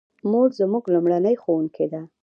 مور زموږ لومړنۍ ښوونکې ده